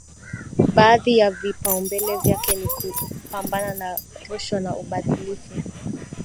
Baadhi ya vipaumbele vyake ni kupambana na rushwa na ubadhilifu